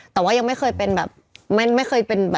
แต่ว่ายังไม่เคยร้าวลงมาของพี่หนู